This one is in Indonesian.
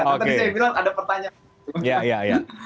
saya bilang ada pertanyaan